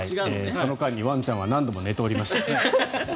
その間にワンちゃんは何度も寝ておりました。